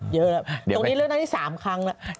ตรงนี้เลือกหน้าที่๓ครั้งแล้ว